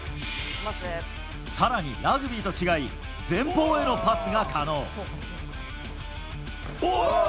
更に、ラグビーと違い前方へのパスが可能。